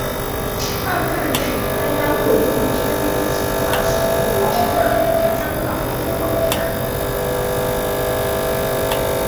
二战时参加过日军入侵法属印度支那和香港攻防战。